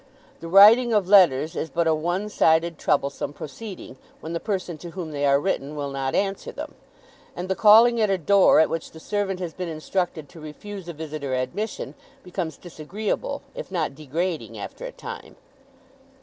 The writing of letters is but a one sided, troublesome proceeding, when the person to whom they are written will not answer them; and the calling at a door at which the servant has been instructed to refuse a visitor admission, becomes, disagreeable, if not degrading, after a time.